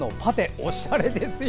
おしゃれですよ。